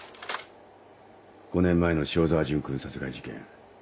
５年前の塩澤潤君殺害事件。